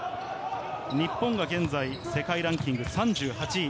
日本が現在、世界ランキング３８位。